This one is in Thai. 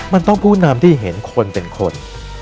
มันต้องผู้นำที่เห็นคนเป็นคน